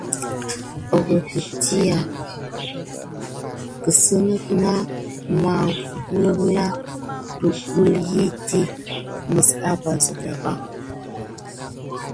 Əgohet ɗiyi kisine na nawuya deglukedi mis aba siga ba.